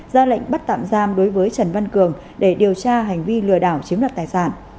ra lệnh bắt tạm giam đối với trần văn cường để điều tra hành vi lừa đảo chiếm đoạt tài sản